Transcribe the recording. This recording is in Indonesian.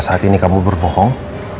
saat ini kamu berbohong